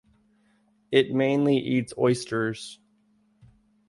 It mainly eats oysters.